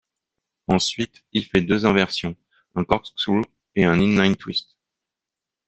Ensuite, il fait deux inversions: un corkscrew et un inline twist.